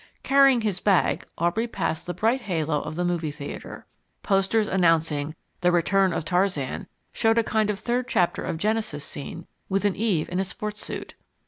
Carrying his bag, Aubrey passed the bright halo of the movie theatre. Posters announcing THE RETURN OF TARZAN showed a kind of third chapter of Genesis scene with an Eve in a sports suit.